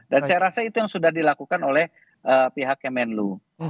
dan saya rasa itu yang sudah dilakukan oleh pihak kemenlu